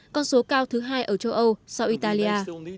con số cao thứ hai ở châu âu sau italia